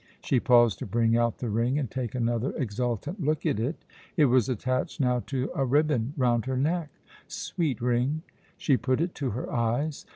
She paused to bring out the ring and take another exultant look at it. It was attached now to a ribbon round her neck. Sweet ring! She put it to her eyes.